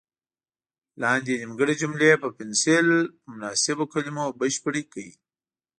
لاندې نیمګړې جملې په پنسل په مناسبو کلمو بشپړې کړئ.